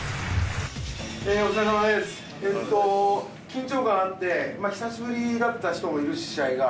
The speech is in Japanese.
緊張感があって、久しぶりだった人もいるし、試合が。